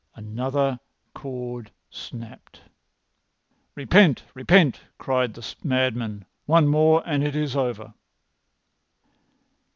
Another cord had snapped. "Repent! Repent!" cried the madman. "One more, and it is over!"